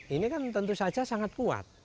ini kan tentu saja sangat kuat